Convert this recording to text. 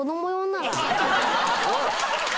おい！